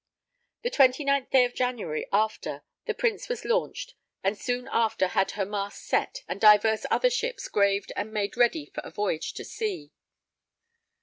The 29th day of January after, the Prince was launched, and soon after had her masts set; and divers other ships graved and made ready for a voyage to sea.